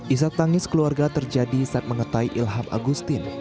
isat tangis keluarga terjadi saat mengetai ilham agustin